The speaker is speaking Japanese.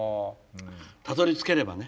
たどりつければね。